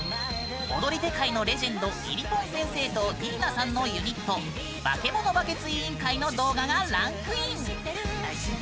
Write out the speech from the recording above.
踊り手界のレジェンドいりぽん先生とニーナさんのユニットバケモノバケツ委員会の動画がランクイン！